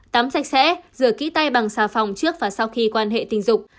tám sạch sẽ rửa kỹ tay bằng xà phòng trước và sau khi quan hệ tình dục